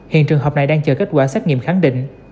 hiện trường hợp này đang chờ kết quả xét nghiệm khẳng định